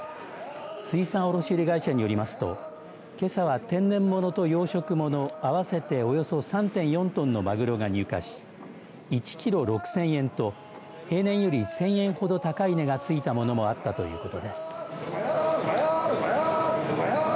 水産卸売会社によりますとけさは天然物と養殖物合わせておよそ３．４トンのマグロが入荷し１キロ６０００円と平年より１０００円ほど高い値が付いたものもあったということです。